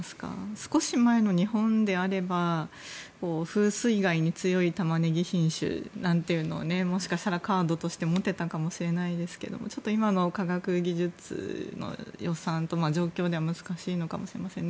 少し前の日本であれば風水害に強いタマネギ品種なんてというのももしかしたらカードとして持てたかもしれませんがちょっと今の科学技術の予算と状況では難しいのかもしれませんね。